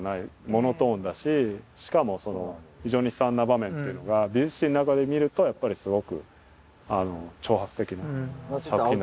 モノトーンだししかもその非常に悲惨な場面っていうのが美術史の中で見るとやっぱりすごく挑発的な作品になってますよね。